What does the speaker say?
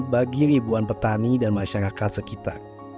bagi ribuan petani dan masyarakat sekitar